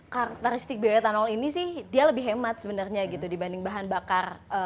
karakteristik bioetanol ini sih dia lebih hemat sebenarnya gitu dibanding bahan bakar